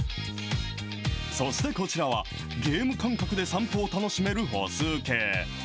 そしてこちらは、ゲーム感覚で散歩を楽しめる歩数計。